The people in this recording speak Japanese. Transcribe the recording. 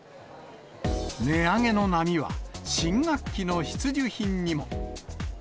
値上げの波は新学期の必需品にも。